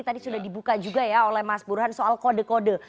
tadi sudah dibuka juga ya oleh mas burhan soal kode kode